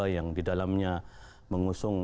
yang didalamnya mengusung